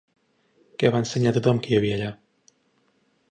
Què va ensenyar a tothom que hi havia allà?